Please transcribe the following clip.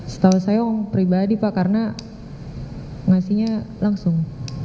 setahu saya pribadi pak karena ngasihnya langsung